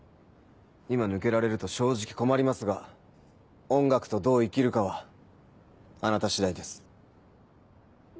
今抜けられると正直困りますが音楽とどう生きるかはあなた次第です。